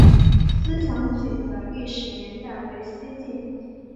思前井的历史年代为西晋。